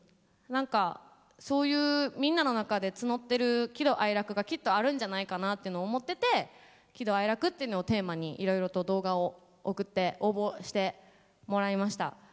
何かそういうみんなの中で募ってる喜怒哀楽がきっとあるんじゃないかなっていうのを思ってて喜怒哀楽っていうのをテーマにいろいろと動画を送って応募してもらいました。